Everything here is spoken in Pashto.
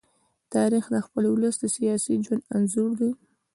تاریخ د خپل ولس د سیاسي ژوند انځور دی.